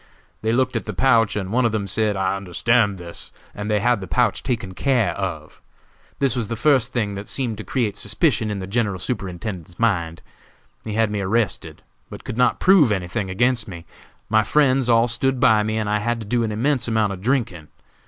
They looked at the pouch, and one of them said, 'I understand this,' and they had the pouch taken care of. This was the first thing that seemed to create suspicion in the General Superintendent's mind. He had me arrested, but could not prove any thing against me. My friends all stood by me, and I had to do an immense amount of drinking.